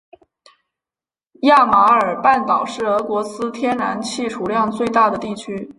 亚马尔半岛是俄罗斯天然气储量最大的地区。